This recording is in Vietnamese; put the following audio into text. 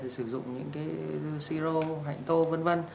thì sử dụng những cái si rô hạnh tô v v